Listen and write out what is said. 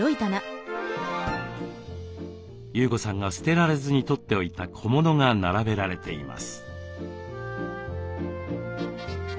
優子さんが捨てられずに取っておいた小物が並べられています。